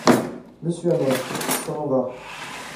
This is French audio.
Monsieur Hamoche, comment va?